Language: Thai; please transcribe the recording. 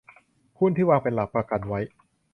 หุ้นที่วางเป็นหลักประกันไว้